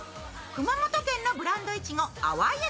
熊本県のブランドいちご・淡雪。